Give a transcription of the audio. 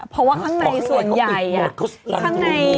เพราะว่าข้างในส่วนใหญ่